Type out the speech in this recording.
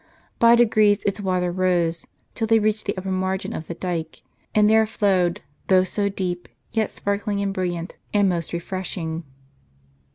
By degrees its waters rose, till they reached the upper margin of the dyke, and there flowed, though so deep, yet sparkling and brilliant, and most refreshing.